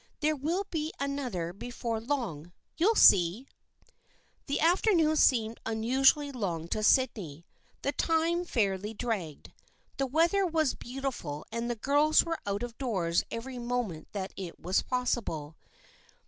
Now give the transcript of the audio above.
There will be another before long. You'll see !" The afternoon seemed unusually long to Sydney. The time fairly dragged. The weather was beauti ful and the girls were out of doors every moment that it was possible.